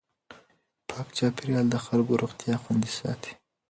پاک چاپېریال د خلکو روغتیا خوندي ساتي.